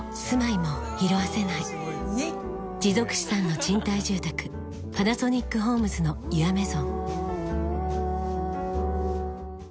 持続資産の賃貸住宅「パナソニックホームズのユアメゾン」